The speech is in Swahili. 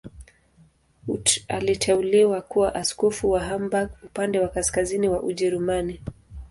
Aliteuliwa kuwa askofu wa Hamburg, upande wa kaskazini wa Ujerumani.